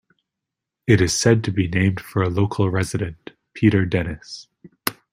It is said to be named for a local resident, Peter Dennis.